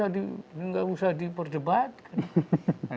tidak usah diperjebatkan